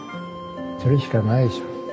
それしかないでしょ。